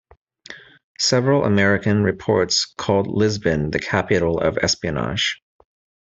Several American reports called Lisbon "The Capital of Espionage".